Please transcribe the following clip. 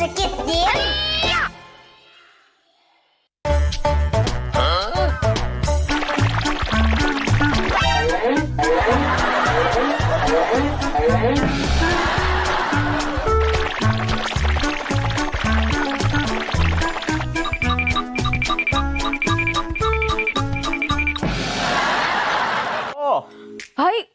ถ้าอยากรู้ตามดูในช่วง